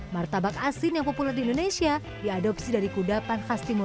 martabak asin yang populer di indonesia diadopsi dari kudapan khas timur